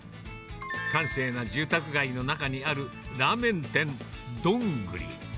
閑静な住宅街の中にあるラーメン店、どんぐり。